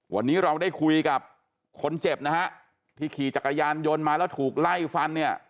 วันนี้เราได้คุยกับคนเจ็บที่ขี่จักรยานโยนมาแล้วถูกไล่ฟัน